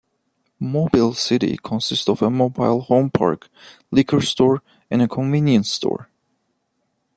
Mobile City consists of a mobile home park, liquor store, and convenience store.